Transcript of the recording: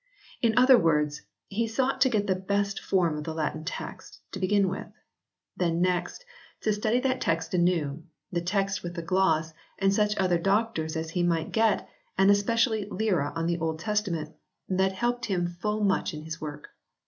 In other words he sought to get the best form of the Latin text, to begin with. Then next, to study that text anew, the text with the gloss and such other doctors as he might get, and especially Lyra on the Old Testament, that helped him full much in his work.